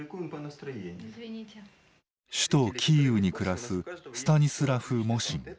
首都キーウに暮らすスタニスラフ・モシン。